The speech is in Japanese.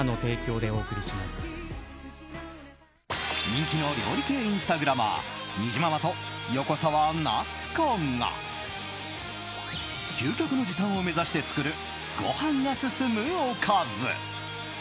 人気の料理系インスタグラマーにじままと、横澤夏子が究極の時短を目指して作るご飯が進むおかず。